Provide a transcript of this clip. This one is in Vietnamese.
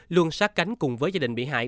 luôn sát cánh cùng với gia đình bị hại